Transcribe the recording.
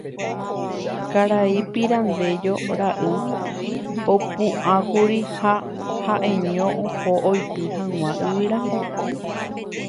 Karai Pirandello ra'y opu'ãkuri ha ha'eño oho oity hag̃ua yvyra.